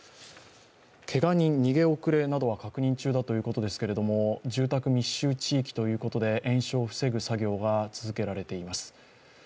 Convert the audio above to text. けが人、逃げ遅れなどは確認中だということですけれども住宅密集地域ということで、延焼を防ぐ作業が続けられています。